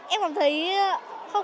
em cảm thấy không